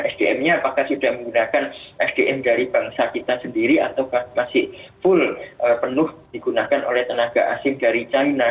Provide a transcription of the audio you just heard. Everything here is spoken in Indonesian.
sdm nya apakah sudah menggunakan sdm dari bangsa kita sendiri atau masih full penuh digunakan oleh tenaga asing dari china